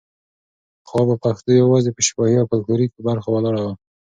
پخوا به پښتو یوازې په شفاهي او فولکلوریکو برخو ولاړه وه.